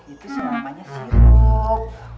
itu namanya sirup